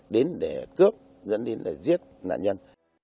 đến để cướp dẫn đến giết nạn nhân